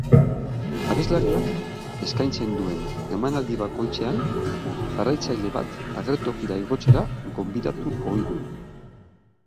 Abeslariak eskaintzen duen emanaldi bakoitzean jarraitzaile bat agertokia igotzera gonbidatu ohi du.